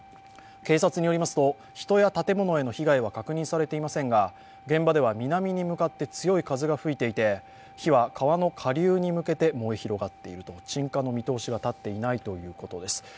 警察によりますと人や建物への被害は確認されていませんが現場では南に向かって強い風が吹いていて、火は川の下流に向けて燃え広がっているとのこと、鎮火の見通しが立っていないということです。